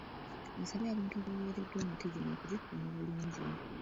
Asabye abantu abaweereddwa emiti gino okugikuuma obulungi.